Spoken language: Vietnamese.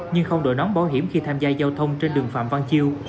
nhưng không đổi nón bảo hiểm khi tham gia giao thông trên đường phạm văn chiêu